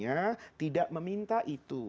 karena agama sebetulnya tidak meminta itu